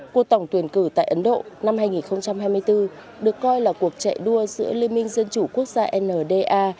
cuộc tổng tuyển cử tại ấn độ năm hai nghìn hai mươi bốn được coi là cuộc chạy đua giữa liên minh dân chủ quốc gia nda